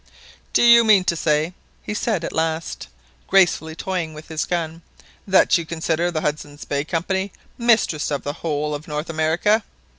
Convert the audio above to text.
"Do you mean to say," he said at last, gracefully toying with his gun, "that you consider the Hudson's Bay Company mistress of the whole of North America?"